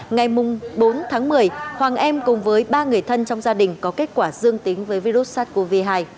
ngày bốn tháng một mươi hoàng em cùng với ba người thân trong gia đình có kết quả dương tính với virus sars cov hai